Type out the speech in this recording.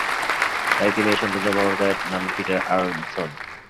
তার একটি মেয়ে সন্তান জন্ম গ্রহণ করে, নাম পিটার আরোনসোন।